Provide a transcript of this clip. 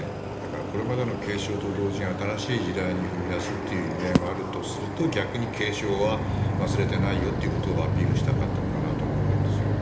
これまでの継承と同時に新しい時代に踏み出すという意味合いもあるとすると逆に継承は忘れてないよということをアピールしたかったのかなとも思うんですよ。